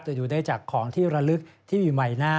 แต่ดูได้จากของที่ระลึกที่มีใบหน้า